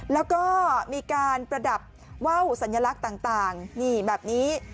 แล้วก็มีการประดับว่าวสัญลักษณ์ต่างนี่แบบนี้